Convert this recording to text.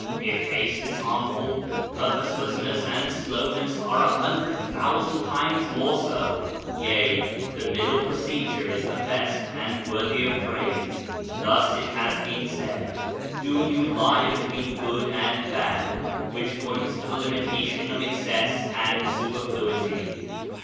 If haste is harmful, purposelessness and slowness are a hundred thousand times more so. Yea, the middle 122 Digitized by Google OF CIVILIZATION procedure is the best and worthy of praise. Thus, it has been said, "Do you lie between good and bad," which points to the limitation of excess and superfluity.